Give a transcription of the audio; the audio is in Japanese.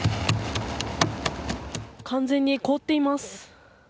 完全に凍っています。